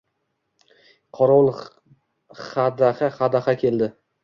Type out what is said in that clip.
Qorovul hadaha-hadaha keldi.